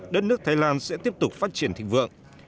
đất nước thái lan sẽ tiếp tục phát triển thịnh vượng